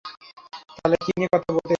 তাহলে কী নিয়ে কথা বলতে এসেছ।